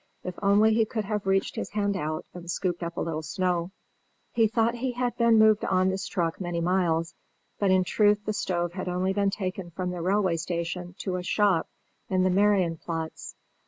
If only he could have reached his hand out and scooped up a little snow! He thought he had been moved on this truck many miles, but in truth the stove had been only taken from the railway station to a shop in the Marienplatz.